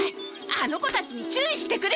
あの子たちに注意してくる。